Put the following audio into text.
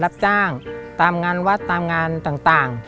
รับจ้างตามงานวัดตามงานต่าง